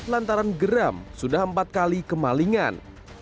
lantaran geram sudah empat kali kemalingan